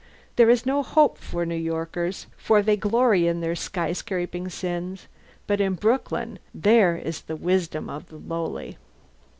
There is no hope for New Yorkers, for they glory in their skyscraping sins; but in Brooklyn there is the wisdom of the lowly."